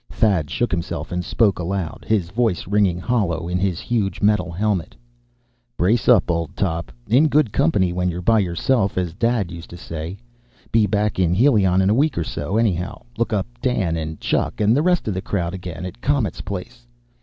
Thad shook himself and spoke aloud, his voice ringing hollow in his huge metal helmet: "Brace up, old top. In good company, when you're by yourself, as Dad used to say. Be back in Helion in a week or so, anyhow. Look up Dan and 'Chuck' and the rest of the crowd again, at Comet's place.